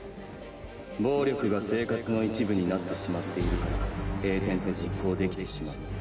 暴力が生活の一部になってしまっているから平然と実行できてしまう。